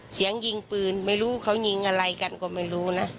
เสียงยิงปืนไม่รู้เขายิงอะไรกันก็ไม่รู้นะ